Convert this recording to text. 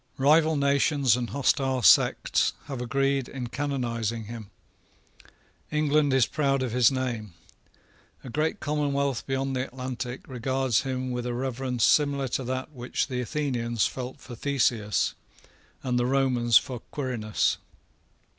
Rival nations and hostile sects have agreed in canonising him. England is proud of his name. A great commonwealth beyond the Atlantic regards him with a reverence similar to that which the Athenians felt for Theseus, and the Romans for Quirinus.